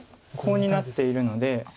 コウになっているので。